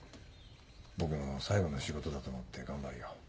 僕の最後の仕事だと思って頑張るよ。